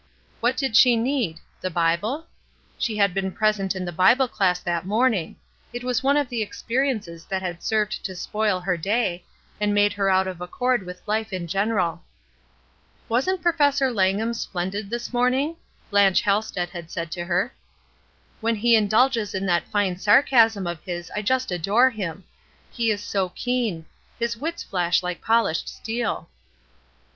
What did she need? The Bible? She had been present in the Bible class that morning; it was one of the experiences that had served to spoil her day, and make her out of accord with life in general. "Wasn't Professor Langham splendid this morning?" Blanche Halsted had said to her. When he indulges in that fine sarcasm of his I just adore him. He is so keen; his wits flash like pohshed steel."